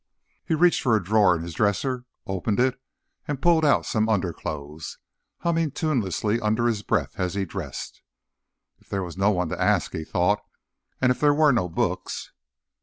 He reached for a drawer in his dresser, opened it and pulled out some underclothes, humming tunelessly under his breath as he dressed. If there was no one to ask, he thought, and if there were no books....